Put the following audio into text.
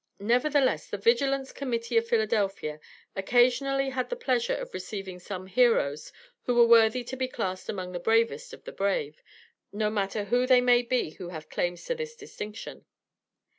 Nevertheless the Vigilance Committee of Philadelphia occasionally had the pleasure of receiving some heroes who were worthy to be classed among the bravest of the brave, no matter who they may be who have claims to this distinction.